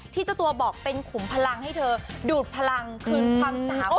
เจ้าตัวบอกเป็นขุมพลังให้เธอดูดพลังคืนความสามารถ